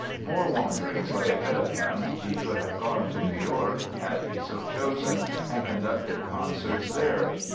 More wanderings lay ahead of him. He could have gone to New York, had he so chosen, and conducted concerts there.